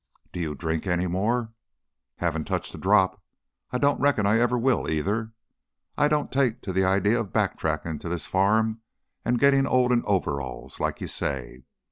"Do you drink any more?" "Haven't touched a drop. I don't reckon I ever will, either. I don't take to the idea of back trackin' to this farm an' gettin' old in overalls, like you say.